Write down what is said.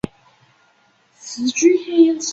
世居海盐县沈荡半逻村。